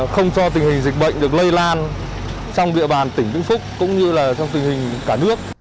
không cho tình hình dịch bệnh được lây lan trong địa bàn tỉnh vĩnh phúc cũng như là trong tình hình cả nước